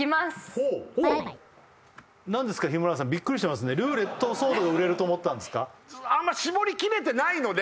ほうおっ何ですかヒムラヤさんビックリしてますねルーレットソードが売れると思ったんですか？